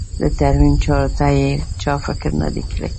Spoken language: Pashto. د ترمیم چارو ته یې چا فکر نه دی کړی.